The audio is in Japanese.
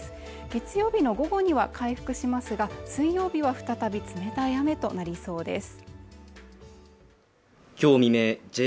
月曜日の午後には回復しますが水曜日は再び冷たい雨となりそうです